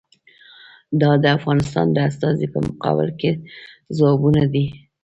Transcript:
دا د افغانستان د استازي په مقابل کې ځوابونه دي.